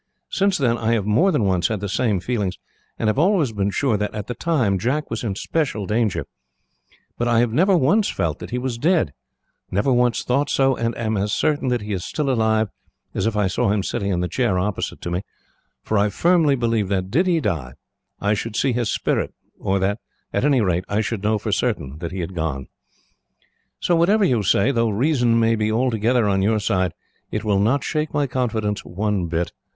Since then, I have more than once had the same feelings, and have always been sure that, at the time, Jack was in special danger; but I have never once felt that he was dead, never once thought so, and am as certain that he is still alive as if I saw him sitting in the chair opposite to me, for I firmly believe that, did he die, I should see his spirit, or that, at any rate, I should know for certain that he had gone. "So whatever you say, though reason may be altogether on your side, it will not shake my confidence, one bit.